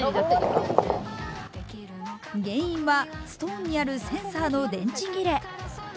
原因は、ストーンにあるセンサーの電池切れ。